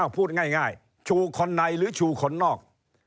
พูดง่ายชูคนในหรือชูคนนอก